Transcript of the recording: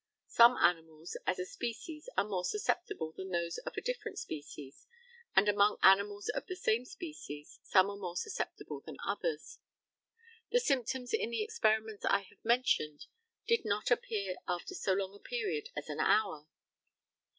Some animals as a species are more susceptible than those of a different species, and among animals of the same species some are more susceptible than others. The symptoms in the experiments I have mentioned did not appear after so long a period as an hour.